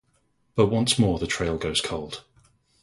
But once more the trail goes cold.